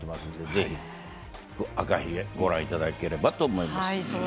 ぜひ「赤ひげ」ご覧いただければと思います。